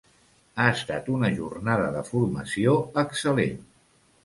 Ha estat una jornada de formació excel·lent!